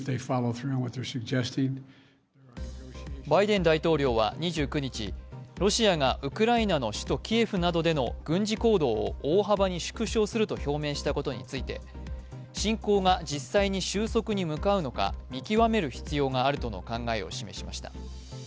バイデン大統領は２９日ロシアがウクライナの首都キエフなどでの軍事行動を大幅に縮小すると表明したことについて侵攻が実際に収束に向かうのか見極める必要があるとの考えを示しました。